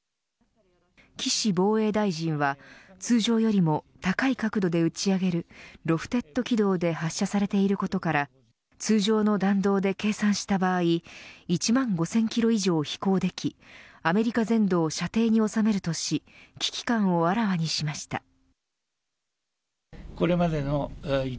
岸防衛大臣は通常よりも高い角度で打ち上げるロフテッド軌道で発射されていることから通常の弾道で計算した場合１万５０００キロ以上飛行できアメリカ全土を射程に収めるとし危機感をあらわにしました。